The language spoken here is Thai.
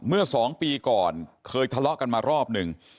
เมื่อ๒ปีก่อนเคยทะเลาะกันมารอบหนึ่ง